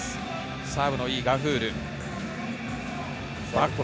サーブのいいガフール。